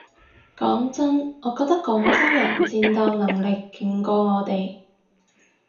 講真我覺得廣州人戰鬥能力勁過我哋